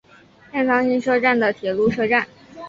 片仓町车站的铁路车站。